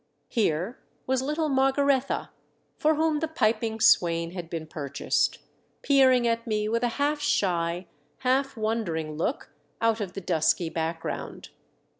Here was little IMargaretha, for whom the piping swain had been purchased, peering at me with a half shy, half wondering look out of the dusky background.